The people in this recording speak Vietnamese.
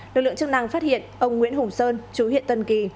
lực lượng chức năng phát hiện ông nguyễn hùng sơn chú huyện tân kỳ